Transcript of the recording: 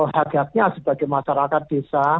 hadapnya sebagai masyarakat desa